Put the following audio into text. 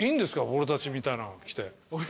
俺たちみたいなの来て。